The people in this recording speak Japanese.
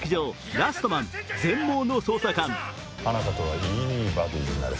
「ラストマン−全盲の捜査官−」。